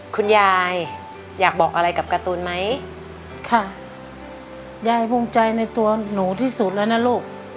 คุณยายอยากบอกอะไรกับการ์ตูนไหมค่ะยายภูมิใจในตัวหนูที่สุดแล้วนะลูก